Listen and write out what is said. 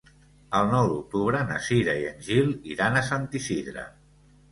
El nou d'octubre na Cira i en Gil iran a Sant Isidre.